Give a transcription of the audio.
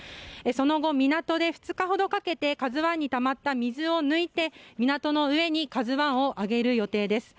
その後、港で２日ほどかけて「ＫＡＺＵ１」にたまった水を抜いて港の上に「ＫＡＺＵ１」を揚げる予定です。